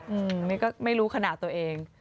อืมนี่ก็ไม่รู้ขนาดตัวเอง